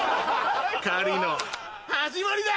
狩りの始まりだ！